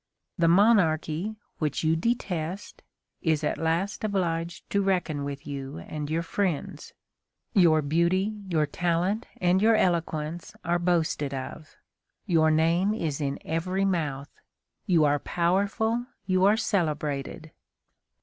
The monarchy, which you detest, is at last obliged to reckon with you and your friends. Your beauty, your talent, and your eloquence are boasted of. Your name is in every mouth. You are powerful, you are celebrated.